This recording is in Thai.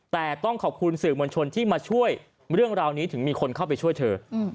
แต่ต้องขอบคุณสื่อมวลชนที่มาช่วยเรื่องราวนี้ถึงมีคนเข้าไปช่วยเธอ